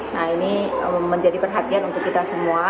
nah ini menjadi perhatian untuk kita semua